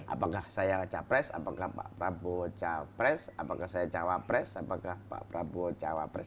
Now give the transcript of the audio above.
apakah saya capres apakah pak prabowo capres apakah saya cawapres apakah pak prabowo cawapres